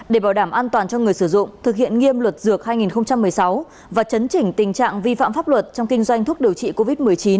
để bảo đảm an toàn cho người sử dụng thực hiện nghiêm luật dược hai nghìn một mươi sáu và chấn chỉnh tình trạng vi phạm pháp luật trong kinh doanh thuốc điều trị covid một mươi chín